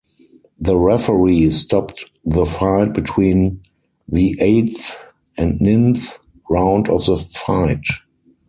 The referee stopped the fight between the eighth and ninth round of the fight.